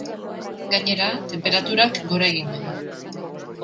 Gainera, tenperaturak gora egingo du.